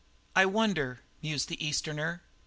"I wonder?" mused the Easterner.